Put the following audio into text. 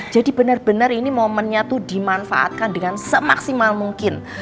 jadi bener bener ini momennya tuh dimanfaatkan dengan semaksimal mungkin